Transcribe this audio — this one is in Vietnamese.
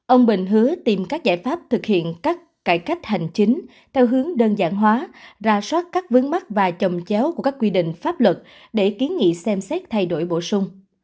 ông bình hứa tìm các giải pháp thực hiện các cải cách hành chính theo hướng đơn giản hóa ra soát các vướng mắt và chồng chéo của các quy định pháp luật để kiến nghị xem xét thay đổi bổ sung